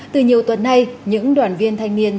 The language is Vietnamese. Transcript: từ nhiều tuần nay những đoàn viên thanh niên